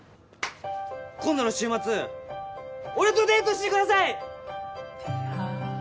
今度の週末俺とデートしてください！